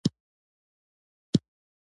يو وايي اره ، بل وايي تېشه.